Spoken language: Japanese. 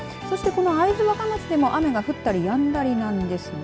この会津若松でも雨が降ったりやんだりなんですね。